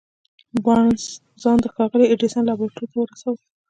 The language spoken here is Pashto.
بارنس ځان د ښاغلي ايډېسن لابراتوار ته ورساوه.